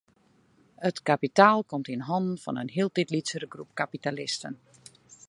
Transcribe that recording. It kapitaal komt yn hannen fan in hieltyd lytsere groep kapitalisten.